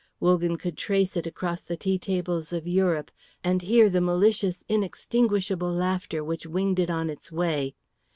Wogan could trace it across the tea tables of Europe, and hear the malicious inextinguishable laughter which winged it on its way.